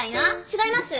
違います？